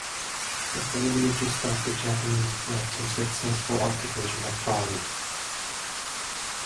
The failure to stop the Japanese led to the successful occupation of Bali.